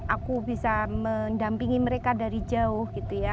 aku bisa mendampingi mereka dari jauh